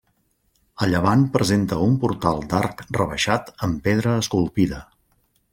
A llevant presenta un portal d'arc rebaixat amb pedra esculpida.